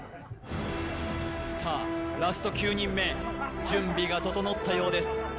さあラスト９人目準備が整ったようです